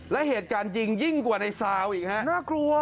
และเหตุการณ์จริงยิ่งกว่าในซาวอีกฮะน่ากลัว